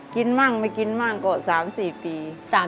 มั่งไม่กินมั่งก็๓๔ปี